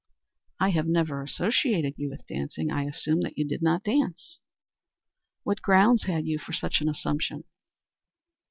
"I have never associated you with dancing. I assumed that you did not dance." "What grounds had you for such an assumption?"